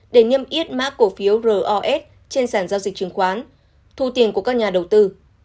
để nhâm ít má cổ phiếu ros trên sản giao dịch chứng khoán thu tiền của các nhà đầu tư